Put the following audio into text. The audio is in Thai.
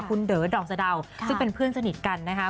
คุณเด๋อดอกสะดาวซึ่งเป็นเพื่อนสนิทกันนะคะ